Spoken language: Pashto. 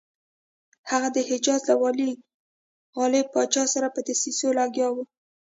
هغه د حجاز له والي غالب پاشا سره په دسیسو لګیا وو.